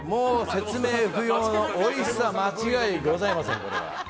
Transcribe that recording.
説明不要のおいしさ間違いございません。